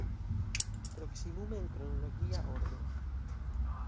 Proksimume en kronologia ordo.